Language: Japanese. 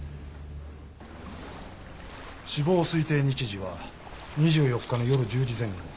死亡推定日時は２４日の夜１０時前後。